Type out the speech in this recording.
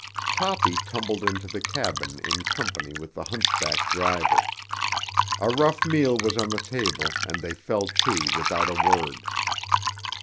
Toppy tumbled into the cabin in company with the hunchback driver. A rough meal was on the table and they fell to without a word.